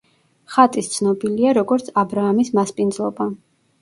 ხატის ცნობილია როგორც „აბრაამის მასპინძლობა“.